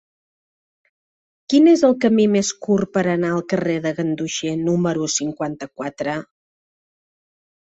Quin és el camí més curt per anar al carrer de Ganduxer número cinquanta-quatre?